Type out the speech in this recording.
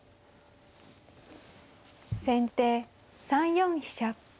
先手３四飛車。